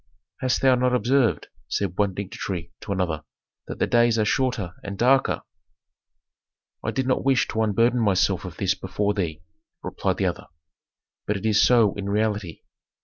"Hast thou not observed," said one dignitary to another, "that the days are shorter and darker?" "I did not wish to unburden myself of this before thee," replied the other, "but it is so in reality.